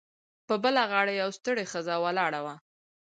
په بله غاړه یوه ستړې ښځه ولاړه وه